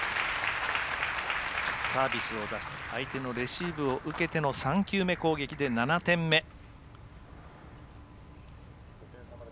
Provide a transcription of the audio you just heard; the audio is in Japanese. サービスを出して相手のレシーブを受けて３球目攻撃で７点目。